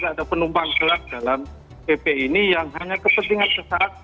ada penumpang gelap dalam pp ini yang hanya kepentingan sesaat